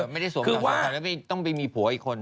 ไม่ได้สวมกำไรต้องไปมีผัวอีกคน